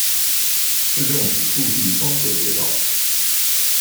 市政府驻地双河街道。